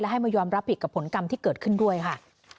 ให้มายอมรับผิดกับผลกรรมที่เกิดขึ้นด้วยค่ะ